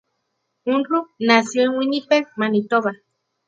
Unruh nació en Winnipeg, Manitoba.